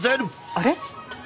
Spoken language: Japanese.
あれ？